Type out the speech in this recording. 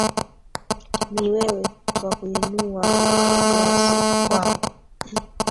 Ni wewe twakuinua na si wao.